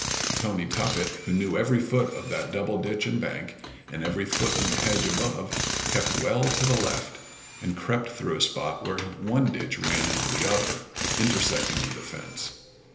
Tony Tuppet, who knew every foot of that double ditch and bank, and every foot in the hedge above, kept well to the left and crept through a spot where one ditch ran into the other, intersecting of the fence.